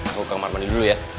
mau ke kamar mandi dulu ya